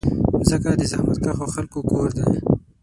مځکه د زحمتکښو خلکو کور ده.